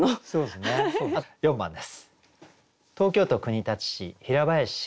４番です。